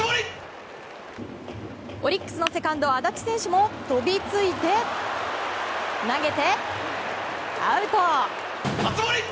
オリックスのセカンド安達選手も飛びついて投げて、アウト！